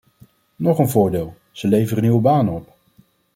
Nog een voordeel: ze leveren nieuwe banen op.